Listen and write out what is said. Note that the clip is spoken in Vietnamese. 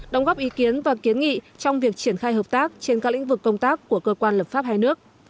đóng góp ý kiến và kiến nghị trong việc triển khai hợp tác trên các lĩnh vực công tác của cơ quan lập pháp hai nước